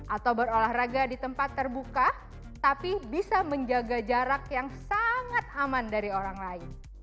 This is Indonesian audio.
atau berolahraga di tempat terbuka tapi bisa menjaga jarak yang sangat aman dari orang lain